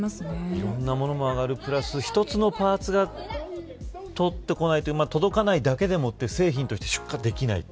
いろんなものも上がる、プラス１つのパーツが届かないだけでもって製品として出荷できない。